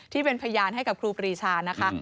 ที่เป็นพยานให้กับครูปรีชานะคะ